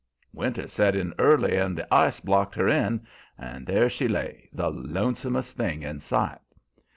Winter set in early and the ice blocked her in, and there she lay, the lonesomest thing in sight.